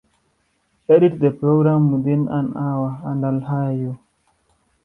Edit the program within an hour and I'll hire you.